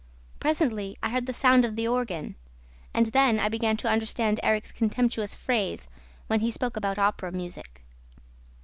Presently I heard the sound of the organ; and then I began to understand Erik's contemptuous phrase when he spoke about Opera music.